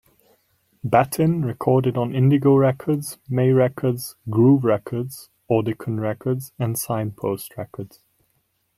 Battin recorded on Indigo Records, May Records, Groove Records, Audicon Records and Signpost Records.